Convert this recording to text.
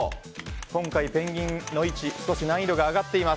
今回、ペンギンの位置少し難易度が上がっています。